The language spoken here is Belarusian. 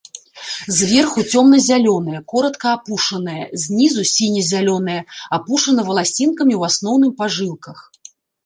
Зверху цёмна-зялёнае, коратка апушанае, знізу сіне-зялёнае, апушана валасінкамі ў асноўным па жылках.